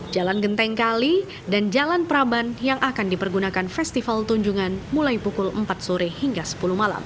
jalan genteng kali dan jalan praban yang akan dipergunakan festival tunjungan mulai pukul empat sore hingga sepuluh malam